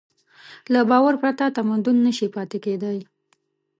له باور پرته تمدن نهشي پاتې کېدی.